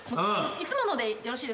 いつものでよろしいですか？